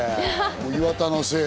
岩田のせいだ！